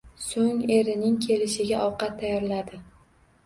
So`ng erining kelishiga ovqat tayyorladi